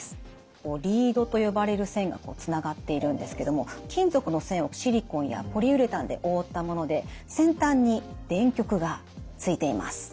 リードと呼ばれる線がつながっているんですけども金属の線をシリコンやポリウレタンで覆ったもので先端に電極がついています。